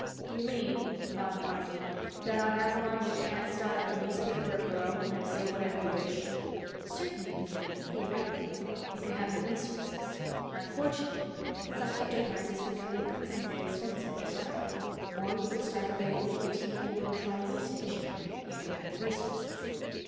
"You mean," Ronny argued, "that on Avalon you can't start up a newspaper of your own and say whatever you wish?" "Certainly you can, theoretically. If you have the resources. Unfortunately, such enterprises become increasingly expensive to start. Or you could start a radio, TV or Tri Di station—if you had the resources.